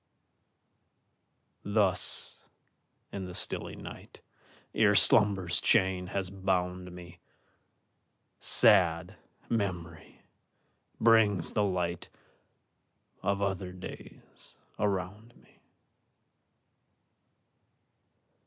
Thus, in the stilly night, Ere slumber's chain has bound me, Sad Memory brings the light Of other days around me.